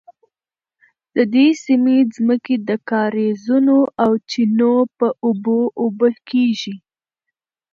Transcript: د دې سیمې ځمکې د کاریزونو او چینو په اوبو اوبه کیږي.